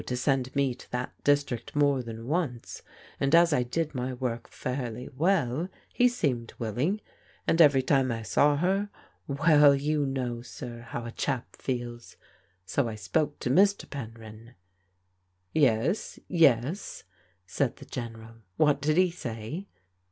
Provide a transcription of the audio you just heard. to send me to that district more than once, and as I did my work fairly well he seemed willing; and every time I saw her — ^well, you know, sir, how a chap feels. So I spoke to Mr. Penryn." "Yes, yes," said the General. "What did he say?"